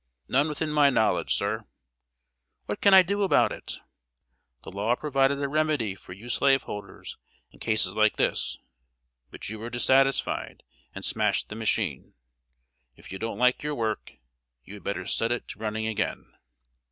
"None within my knowledge, sir." "What can I do about it?" "The law provided a remedy for you slaveholders in cases like this; but you were dissatisfied and smashed the machine. If you don't like your work, you had better set it to running again."